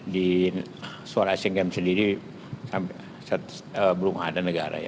di suara asian games sendiri belum ada